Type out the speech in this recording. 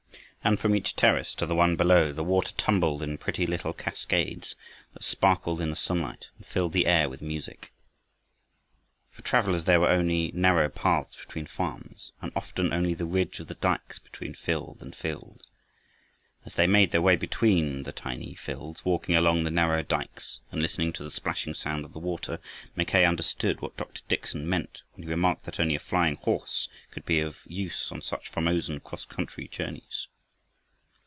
And from each terrace to the one below, the water tumbled in pretty little cascades that sparkled in the sunlight and filled the air with music. For travelers there were only narrow paths between farms, and often only the ridge of the dykes between field and field. As they made their way between the tiny fields, walking along the narrow dykes, and listening to the splashing sound of the water, Mackay understood what Dr. Dickson meant, when he remarked that only a flying horse could be of use on such Formosan cross country journeys.